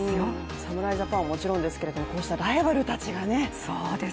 侍ジャパンはもちろんですけれどもこうしたライバルたちがね。